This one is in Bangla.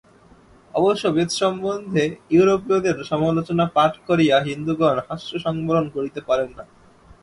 অবশ্য বেদ সম্বন্ধে ইউরোপীয়দের সমালোচনা পাঠ করিয়া হিন্দুগণ হাস্য সংবরণ করিতে পারেন না।